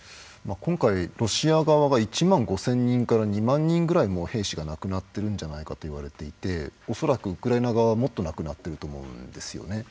今回ロシア側が１万５，０００人から２万人ぐらい兵士が亡くなっているんじゃないかといわれていて恐らくウクライナ側はもっと亡くなっていると思うんですよね。